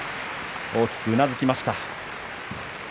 大きくうなずきました。